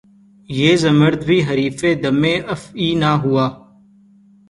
یہ زمّرد بھی حریفِ دمِ افعی نہ ہوا